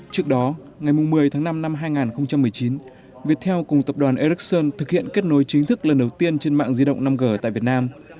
trước đó ngày một mươi tháng năm năm hai nghìn một mươi chín viettel cùng tập đoàn ericsson thực hiện kết nối chính thức lần đầu tiên trên mạng di động năm g tại việt nam